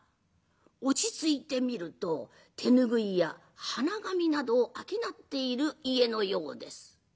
落ち着いて見ると手拭いや鼻紙などを商っている家のようです。